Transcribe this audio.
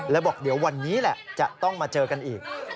แล้วบอกเดี๋ยววันนี้แหละจะต้องมาเจอกันอีก